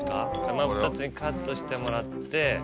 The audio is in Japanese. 真っ二つにカットしてもらって。